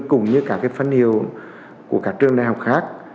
cũng như cả cái phân hiệu của các trường đại học khác